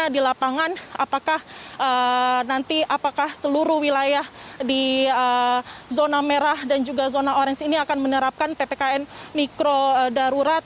di lapangan apakah nanti apakah seluruh wilayah di zona merah dan juga zona orange ini akan menerapkan ppkm mikro darurat